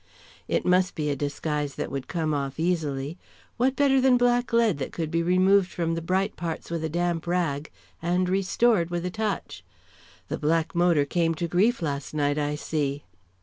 It must be a disguise that would come off easily. What better than blacklead, that could be removed from the bright parts with a damp rag and restored with a touch? The black motor came to grief last night, I see."